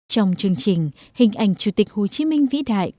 trong chương trình hình ảnh chủ tịch hồ chí minh vĩ đại